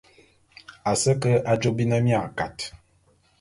A se ke ajô bi ne mia kat.